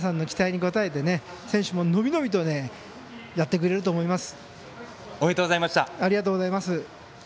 皆さんの期待に応えて選手も伸び伸びとやってくれると思います。